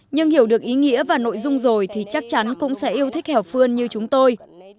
nhưng hiểu được ý nghĩa và nội dung rồi thì chắc chắn cũng sẽ yêu thích hẻo phương như chúng tôi